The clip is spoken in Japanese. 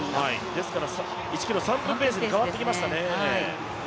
ですから１ｋｍ３分ペースに上がってきましたね。